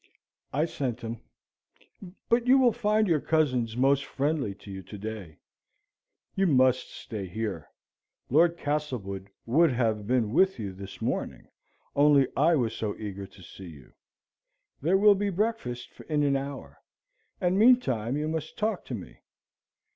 "I sent him; but you will find your cousins most friendly to you to day. You must stay here. Lord Castlewood would have been with you this morning, only I was so eager to see you. There will be breakfast in an hour; and meantime you must talk to me.